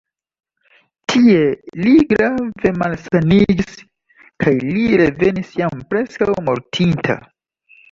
Tie li grave malsaniĝis kaj li revenis jam preskaŭ mortinta.